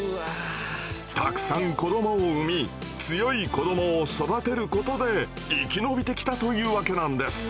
たくさん子どもを産み強い子どもを育てることで生き延びてきたというわけなんです。